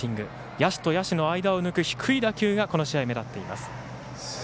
野手と野手の間を抜く低い打球がこの試合目立っています。